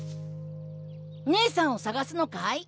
ねえさんを捜すのかい？